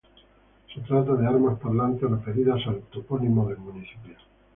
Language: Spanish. Se trata de armas parlantes referidas al topónimo del municipio.